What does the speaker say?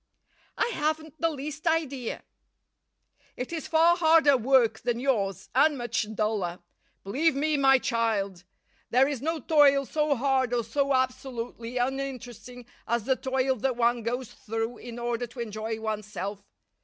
"I haven't the least idea." "It is far harder work than yours, and much duller. Believe me, my child, there is no toil so hard or so absolutely uninteresting as the toil that one goes through in order to enjoy one's self.